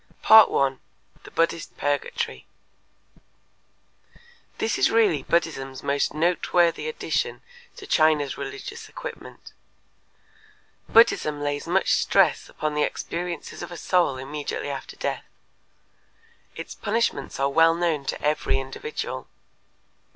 1. The Buddhist Purgatory This is really Buddhism's most noteworthy addition to China's religious equipment; Buddhism lays much stress upon the experiences of a soul immediately after death. Its punishments are well known to every individual.